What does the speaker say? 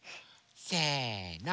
せの。